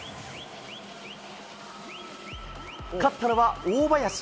勝ったのは、大林。